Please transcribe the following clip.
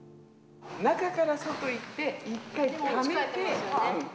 中から外いって一回ためて。